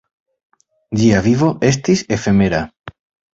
Ĝia vivo estis efemera.